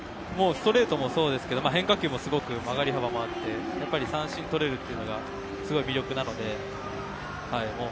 ストレートもそうですが変化球の曲がり幅もあってやっぱり、三振をとれるというのがすごい魅力なので。